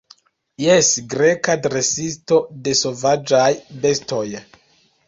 Jes, Greka dresisto de sovaĝaj bestoj.